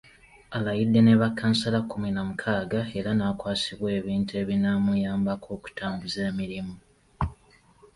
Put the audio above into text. Alayidde ne bakkansala kkumi na mukaaga era n’akwasibwa ebintu ebinaamuyambako okutambuza emirimu.